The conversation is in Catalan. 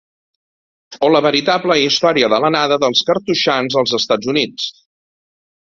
O la veritable història de l'anada dels cartoixans als Estats Units.